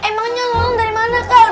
emangnya ngomong dari mana kak